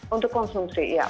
untuk konsumsi ya